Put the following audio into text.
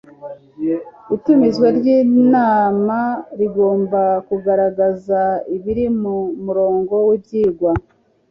itumizwa ry'inama rigomba kugaragaza ibiri ku murongo w'ibyigwa